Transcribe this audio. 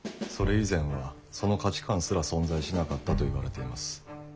それ以前はその価値観すら存在しなかったといわれています。